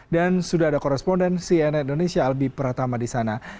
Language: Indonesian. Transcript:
dan sudah ada korespondensi net indonesia albi pratama di sana